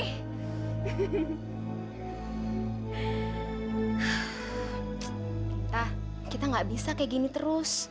kita kita gak bisa kayak gini terus